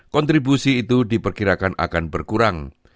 kontribusi itu diperkirakan akan berkurang